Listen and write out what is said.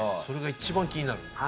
それが一番気になる。